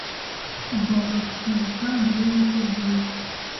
Ugomba kugaruka mbere yuko bwira.